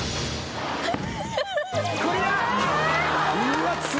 クリア。